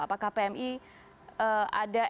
apakah pmi ada